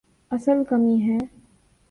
اصل کمی ہے۔